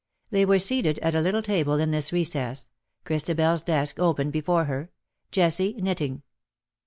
They were seated at a little table in this recess — ChristabeFs desk open before her — Jessie knitting.